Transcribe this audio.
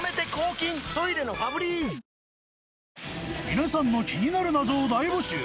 ［皆さんの気になる謎を大募集］